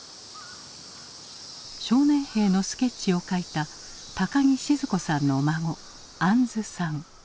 少年兵のスケッチを描いた木靜子さんの孫杏さん。